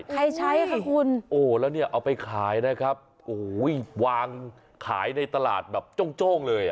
ใครใช้ค่ะคุณแล้วเนี่ยเอาไปขายครับวางขายในตลาดแบบโจ้งเลย